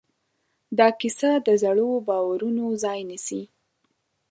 دا کیسه د زړو باورونو ځای نيسي.